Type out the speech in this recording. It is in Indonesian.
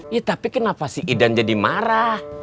ya tapi kenapa si idan jadi marah